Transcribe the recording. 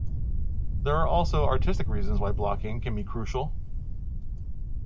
There are also artistic reasons why blocking can be crucial.